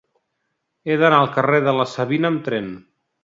He d'anar al carrer de la Savina amb tren.